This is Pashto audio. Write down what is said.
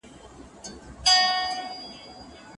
د مخطوبې هدفونه نامعلوم نه دي.